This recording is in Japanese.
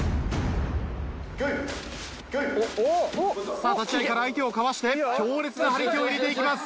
さあ立ち合いから相手をかわして強烈な張り手を入れていきます。